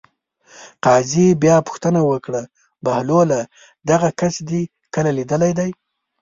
قاضي بیا پوښتنه وکړه: بهلوله دغه کس دې کله لیدلی دی.